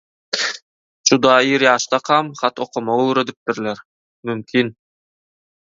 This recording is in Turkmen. Juda ir ýaşdakam hat okamagy öwredipdirler, mümkin